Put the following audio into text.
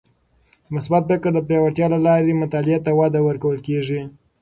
د مثبت فکر د پیاوړتیا له لارې مطالعې ته وده ورکول کیږي.